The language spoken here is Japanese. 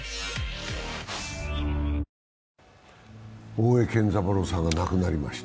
大江健三郎さんが亡くなりました。